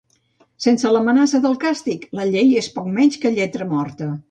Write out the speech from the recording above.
Sense l’amenaça del càstig, la llei és poc menys que lletra morta.